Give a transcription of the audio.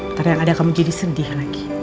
ntar yang ada kamu jadi sedih lagi